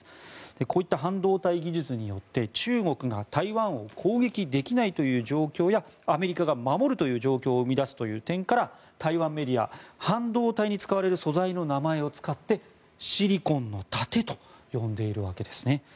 こういった半導体技術によって中国が台湾を攻撃できないという状況やアメリカが守るという状況を生み出すという点から台湾メディアは、半導体に使われる素材の名前を使ってシリコンの盾と呼んでいるわけですね。